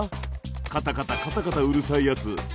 カタカタカタカタうるさいやつ。